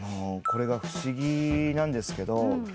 これが不思議なんですけど。